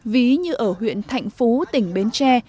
ví như ở huyện thạnh phú tỉnh bến tre